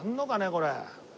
これ。